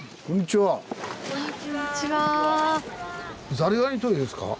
ザリガニ捕りですか？